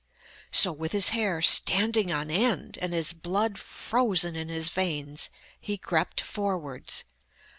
So, with his hair standing on end and his blood frozen in his veins, he crept forwards.